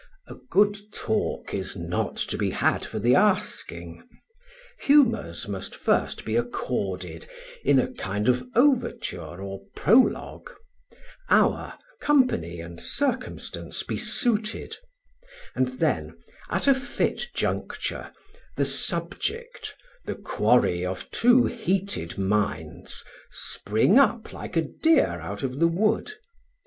A good talk is not to be had for the asking. Humours must first be accorded in a kind of overture or prologue; hour, company and circumstance be suited; and then, at a fit juncture, the subject, the quarry of two heated minds, spring up like a deer out of the wood.